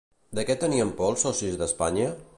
De què tenen por els socis d'Espanya?